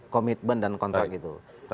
komitmen dan kontrak itu